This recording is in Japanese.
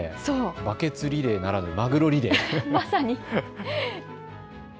バケツリレーならぬマグロリレー。